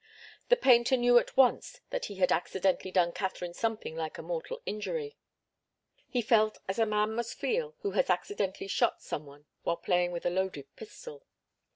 The painter knew at once that he had accidentally done Katharine something like a mortal injury. He felt as a man must feel who has accidentally shot some one while playing with a loaded pistol.